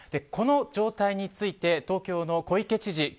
この状態について東京の小池知事